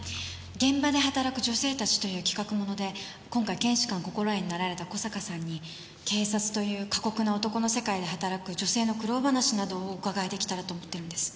「現場で働く女性たち」という企画もので今回検視官心得になられた小坂さんに警察という過酷な男の世界で働く女性の苦労話などをお伺い出来たらと思っているんです。